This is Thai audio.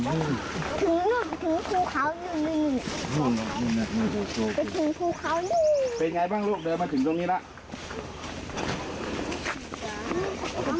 เป็นไงบ้างลูกเดินมาถึงตรงนี้แล้ว